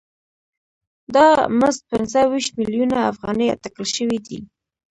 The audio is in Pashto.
دا مزد پنځه ویشت میلیونه افغانۍ اټکل شوی دی